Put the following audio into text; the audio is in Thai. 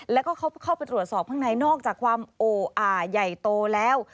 แล้วก็เข้าไปตรวจสอบข้างในนอกจากความโออ่าใหญ่โตแล้ว